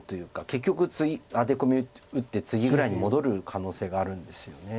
結局アテコミ打ってツギぐらいに戻る可能性があるんですよね。